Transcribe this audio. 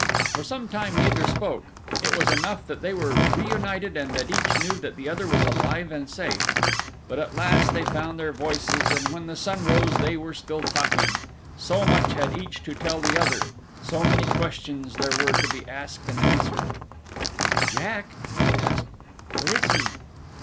For some time neither spoke. It was enough that they were reunited and that each knew that the other was alive and safe. But at last they found their voices and when the sun rose they were still talking, so much had each to tell the other; so many questions there were to be asked and answered. "And Jack," she asked, "where is he?"